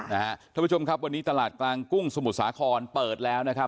ท่านผู้ชมครับวันนี้ตลาดกลางกุ้งสมุทรสาครเปิดแล้วนะครับ